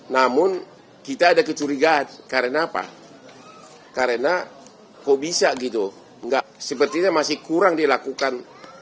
namun kita ada kecurigaan karena apa karena kok bisa gitu sepertinya masih kurang dilakukan